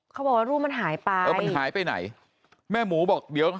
เขาบอกว่ารูปมันหายไปเออมันหายไปไหนแม่หมูบอกเดี๋ยว